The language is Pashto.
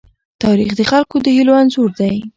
تاریخ د خلکو د هيلو انځور دی.